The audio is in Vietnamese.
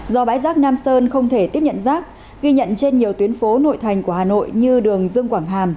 do bãi rác nam sơn không thể tiếp nhận rác ghi nhận trên nhiều tuyến phố nội thành của hà nội như đường dương quảng hàm